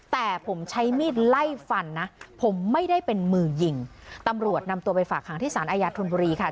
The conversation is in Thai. แต่ผมใช้มีดไล่ฟันนะผมไม่ได้เป็นมือยิงตำรวจนำตัวไปฝากหางที่สารอาญาธนบุรีค่ะ